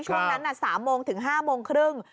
ช่วงนั้น๓โมงถึง๕โมงครึ่ง